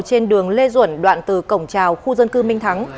trên đường lê duẩn đoạn từ cổng trào khu dân cư minh thắng